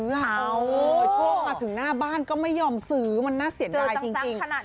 ช่วงมาถึงหน้าบ้านก็ไม่ยอมซื้อมันน่าเสียดายจริง